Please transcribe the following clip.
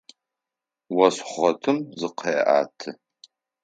Ос хъотым зыкъеӏэты.